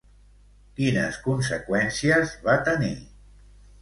Quines conseqüències va tenir?